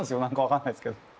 何か分かんないですけど。